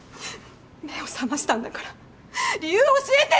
目を覚ましたんだから理由教えてよ！